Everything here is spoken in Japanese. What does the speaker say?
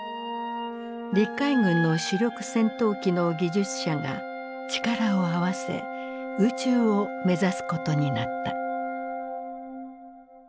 陸海軍の主力戦闘機の技術者が力を合わせ宇宙を目指すことになった。